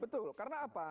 betul karena apa